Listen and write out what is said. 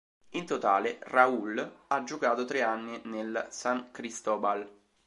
In totale, Raúl ha giocato tre anni nel San Cristóbal.